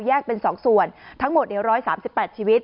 เป็น๒ส่วนทั้งหมด๑๓๘ชีวิต